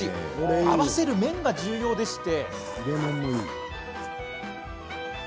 合わせる麺が重要でして。